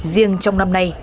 riêng trong năm nay